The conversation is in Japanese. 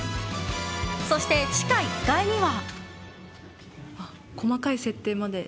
そして、地下１階には。